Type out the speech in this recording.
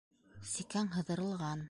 Сикәң һыҙырылған...